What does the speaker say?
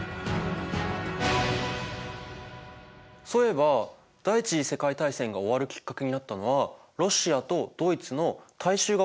そういえば第一次世界大戦が終わるきっかけになったのはロシアとドイツの大衆が起こした革命だったよね。